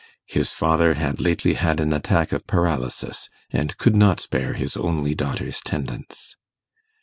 His father had lately had an attack of paralysis, and could not spare his only daughter's tendance.